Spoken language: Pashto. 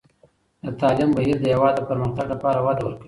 د تعلیم بهیر د هېواد د پرمختګ لپاره وده ورکوي.